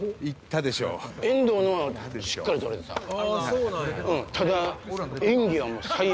そうなんや。